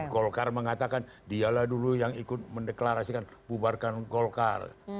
golkar mengatakan dialah dulu yang ikut mendeklarasikan bubarkan golkar